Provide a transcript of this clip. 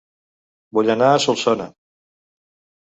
Vull anar a Solsona